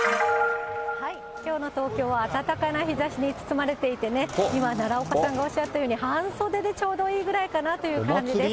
きょうの東京は暖かな日ざしに包まれていてね、今、奈良岡さんがおっしゃったように、半袖でちょうどいいぐらいかなという感じです。